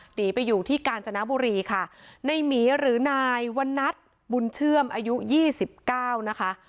หนีไปอยู่ที่กาญจนบุรีค่ะในหมีหรือนายวันนัทบุญเชื่อมอายุยี่สิบเก้านะคะ